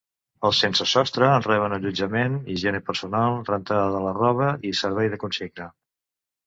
Els sense sostre reben allotjament, higiene personal, rentada de la roba i servei de consigna.